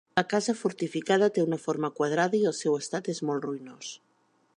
La casa fortificada té una forma quadrada i el seu estat és molt ruïnós.